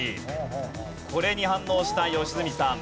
これに反応した良純さん。